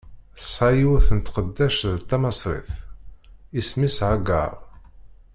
Tesɛa yiwet n tqeddact d tamaṣrit, isem-is Hagaṛ.